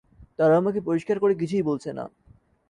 তারা আমাকে পরিষ্কার করে কিছুই বলছে না।